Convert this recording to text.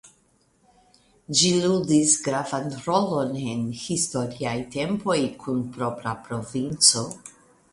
Ĝi ludis gravan rolon en historiaj tempopj kun propra provinco.